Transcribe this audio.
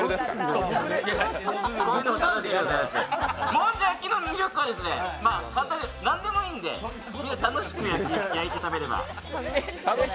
もんじゃ焼きの魅力は何でもいいんで、楽しく焼いて食べれば。